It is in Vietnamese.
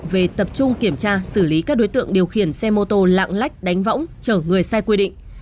về tập trung kiểm tra xử lý các đối tượng điều khiển xe mô tô lạng lách đánh võng chở người sai quy định